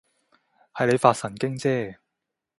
係你發神經啫